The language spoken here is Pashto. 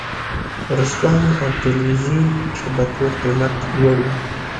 ورځپاڼو او ټلویزیون شبکو قېمت لوړ و.